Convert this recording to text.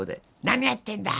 「何やってんだ！